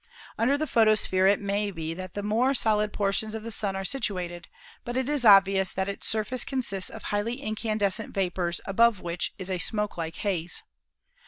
Under the pho tosphere it may be that the more solid portions of the Sun are situated, but it is obvious that its surface consists of highly incandescent vapors above which is a smoke like haze.